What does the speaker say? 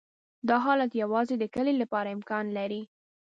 دا حالت یوازې د کلې لپاره امکان لري